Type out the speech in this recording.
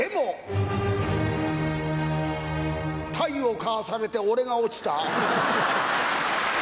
『運命』体をかわされて俺が落ちた。